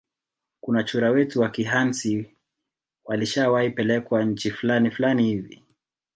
Kuna chura wetu wa kihansi walishawahi pelekwa nchi flani flani hivi